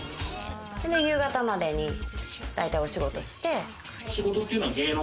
夕方までに大体お仕事をして。